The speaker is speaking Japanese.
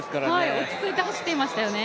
落ち着いて走っていましたよね。